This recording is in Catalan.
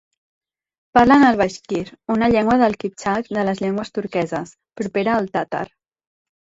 Parlen el baixkir, una llengua del Kiptxak de les llengües turqueses, propera al tàtar.